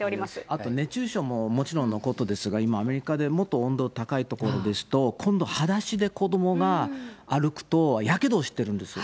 あと熱中症ももちろんのことですが、アメリカでもっと温度高い所ですと、今度裸足で子どもが歩くと、やけどをしているんですよ。